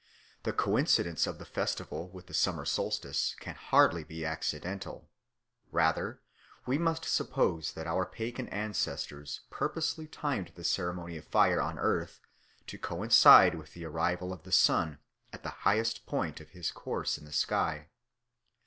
The coincidence of the festival with the summer solstice can hardly be accidental. Rather we must suppose that our pagan ancestors purposely timed the ceremony of fire on earth to coincide with the arrival of the sun at the highest point of his course in the sky.